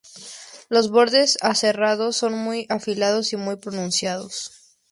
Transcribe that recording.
Los bordes aserrados son muy afilados y muy pronunciados.